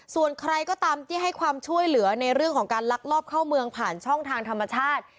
ส่วนใครก็ตามที่ให้ความช่วยเหลือในเรื่องของการลักลอบเข้าเมืองผ่านช่องทางธรรมชาติ